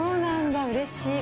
うれしい。